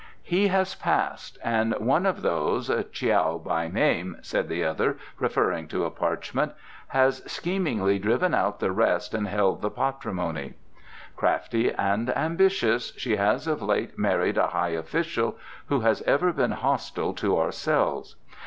"He has Passed, and one of those Tiao by name," said the other, referring to a parchment "has schemingly driven out the rest and held the patrimony. Crafty and ambitious, she has of late married a high official who has ever been hostile to ourselves.